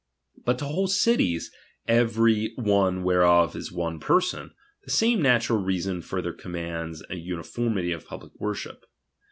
But to whole cities, '~ every one whereof is one person, the same natural reason further commands an uniformity of public worship.